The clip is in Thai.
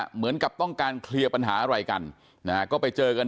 เหมือนกับต้องการเคลียร์ปัญหาอะไรกันนะฮะก็ไปเจอกัน